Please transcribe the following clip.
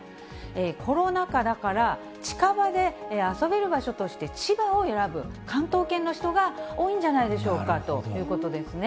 コロナ禍だから、近場で遊べる場所として千葉を選ぶ関東圏の人が多いんじゃないでしょうかということですね。